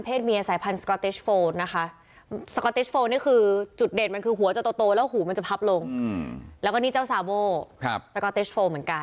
นี่นี่นี่นี่นี่นี่นี่นี่นี่นี่นี่นี่นี่นี่นี่